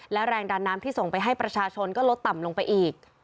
และแรงดันน้ำที่ส่งไปให้ประชาชนก็ลดต่ำลงไปอีก